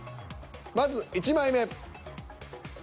まず１枚目。